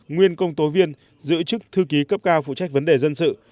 nguyên công tố viên giữ chức thư ký cấp cao phụ trách vấn đề dân sự